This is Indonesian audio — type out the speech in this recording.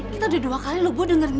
kita udah dua kali lho bu dengernya